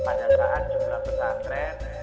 pada saat jumlah pesantren